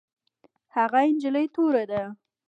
هغه نجلۍ توره ده